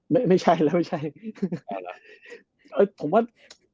ไม่ไม่ใช่แล้วไม่ใช่เอ่อผมว่า